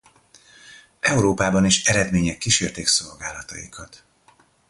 Európában is eredmények kísérték szolgálataikat.